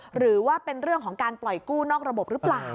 หรือว่าเป็นเรื่องของการปล่อยกู้นอกระบบหรือเปล่า